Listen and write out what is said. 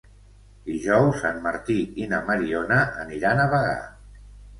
Dijous en Martí i na Mariona aniran a Bagà.